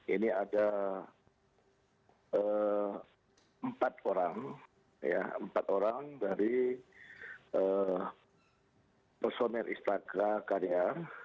ini ada empat orang dari personil istaka karya